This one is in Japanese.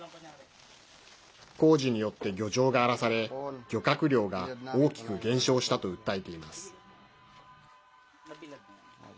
工事によって漁場が荒らされ漁獲量が大きく減少したと訴えています。